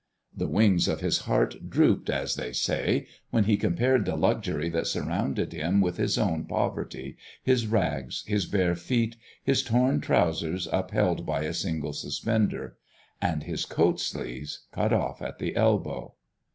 The wings of his heart drooped, as they say, when he compared the luxury that surrounded him with his own poverty, his rags, his bare feet, his torn trousers upheld by a single suspender, and his coat sleeves cut off at the elbow.